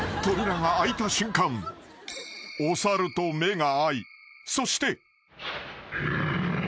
［扉が開いた瞬間お猿と目が合いそして］